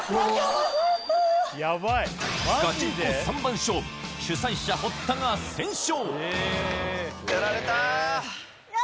ガチンコ３番勝負主催者堀田が先勝！